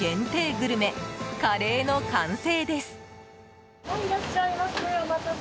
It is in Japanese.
グルメカレーの完成です。